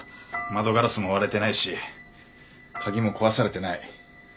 窓ガラスも割れてないし鍵も壊されてない。